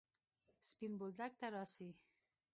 سپين بولدک ته راسئ!